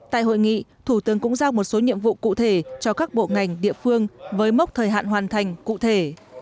tại hội nghị thủ tướng cũng giao một số nhiệm vụ cụ thể cho các bộ ngành địa phương với mốc thời hạn hoàn thành cụ thể